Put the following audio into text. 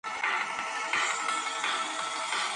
აღნიშნავს რეჟისორი მაკ პირკლი.